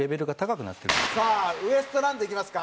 さあウエストランドいきますか。